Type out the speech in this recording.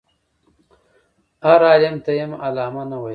هر عالم ته یې هم علامه نه ویل.